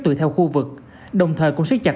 tùy theo khu vực đồng thời cũng sức chặt